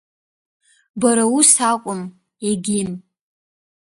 Бара ус акәым, егьим…